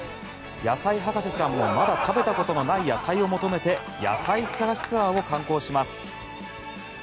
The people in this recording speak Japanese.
野菜博士ちゃんもまだ食べたことのない野菜を求めて野菜探しツアーを敢行します！